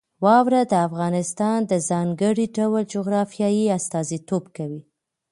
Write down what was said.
واوره د افغانستان د ځانګړي ډول جغرافیې استازیتوب کوي.